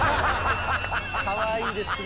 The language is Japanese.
かわいいですね。